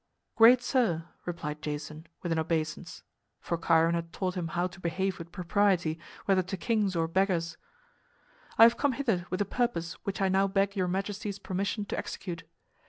"Great sir," replied Jason, with an obeisance for Chiron had taught him how to behave with propriety, whether to kings or beggars "I have come hither with a purpose which I now beg your majesty's permission to execute.